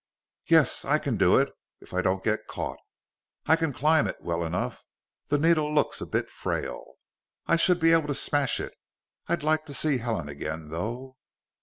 "Yes, I can do it! If I don't get caught! I can climb it, well enough. The needle looks a bit frail. I should be able to smash it! I'd like to see Helen again, though."